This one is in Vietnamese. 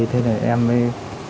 thế là em mới